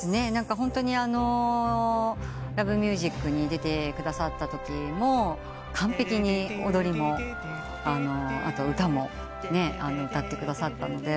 ホントに『Ｌｏｖｅｍｕｓｉｃ』に出てくださったときも完璧に踊りも歌も歌ってくださったので。